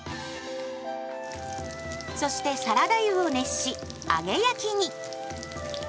そしてサラダ油を熱し揚げ焼きに。